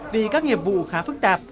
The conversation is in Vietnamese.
vì các nghiệp vụ khá phức tạp